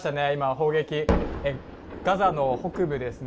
砲撃へガザの北部ですね